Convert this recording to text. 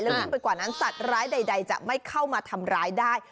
ยิ่งไปกว่านั้นสัตว์ร้ายใดจะไม่เข้ามาทำร้ายได้